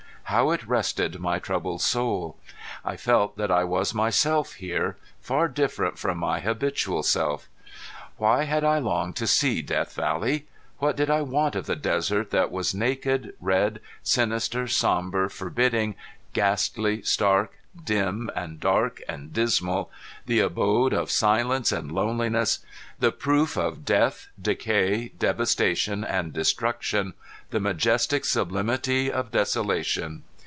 How it rested my troubled soul! I felt that I was myself here, far different from my habitual self. Why had I longed to see Death Valley? What did I want of the desert that was naked, red, sinister, sombre, forbidding, ghastly, stark, dim and dark and dismal, the abode of silence and loneliness, the proof of death, decay, devastation and destruction, the majestic sublimity of desolation?